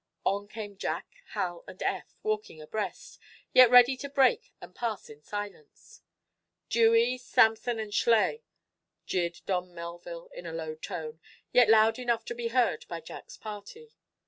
On came Jack, Hal and Eph, walking abreast, yet ready to break and pass in silence. "Dewey, Sampson & Schley!" jeered Don Melville, in a low tone, yet loud enough to be heard by Jack's party.